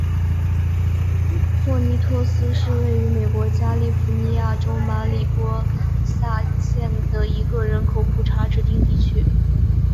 霍尼托斯是位于美国加利福尼亚州马里波萨县的一个人口普查指定地区。